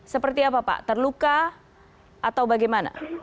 seperti apa pak terluka atau bagaimana